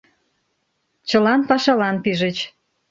Чылан пашалан пижыч.